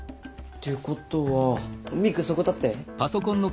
ってことはミクそこ立って。